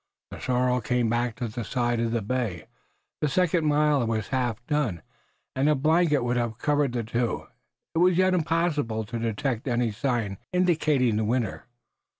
The sorrel came back to the side of the bay, the second mile was half done, and a blanket would have covered the two. It was yet impossible to detect any sign indicating the winner.